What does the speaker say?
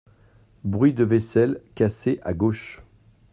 Bruit de vaisselle cassée à gauche.